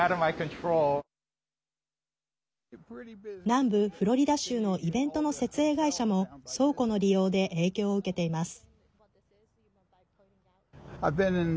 南部フロリダ州のイベントの設営会社も倉庫の利用で影響を受けています。